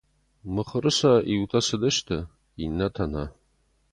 Мыхуыры сӕ иутӕ цыдысты, иннӕтӕ нӕ.